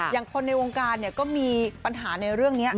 อย่างคนในวงการก็มีปัญหาในเรื่องนี้